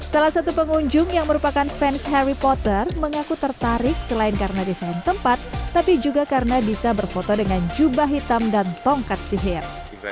salah satu pengunjung yang merupakan fans harry potter mengaku tertarik selain karena desain tempat tapi juga karena bisa berfoto dengan jubah hitam dan tongkat sihir